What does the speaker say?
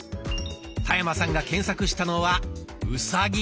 田山さんが検索したのは「うさぎ」。